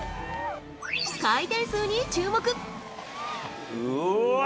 回転数に注目。